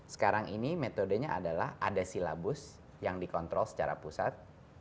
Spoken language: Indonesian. sekarang ini metodenya adalah ada silabus yang dikontrol secara pusat